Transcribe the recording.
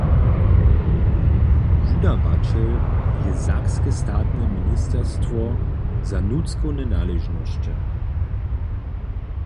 Wudawaćel je Sakske statne ministerstwo za nutřkowne naležnosće.